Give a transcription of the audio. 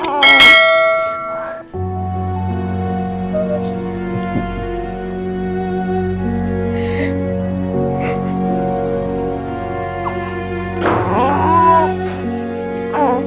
akhirnya aku udah bisa pegang askara mas